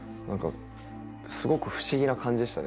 すごく不思議な感じでしたね。